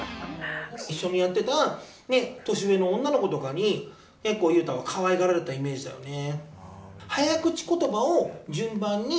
一緒にやってた年上の女の子とかに結構、裕太は可愛がられたイメージだよね。